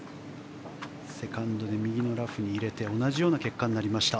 セカンドで右のラフに入れて同じような結果になりました。